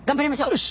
よし！